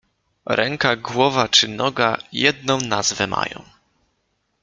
Ręka, głowa czy noga jedną nazwę mają